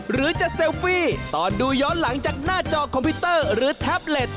หรือจะเซลฟี่ตอนดูย้อนหลังจากหน้าจอคอมพิวเตอร์หรือแท็บเล็ต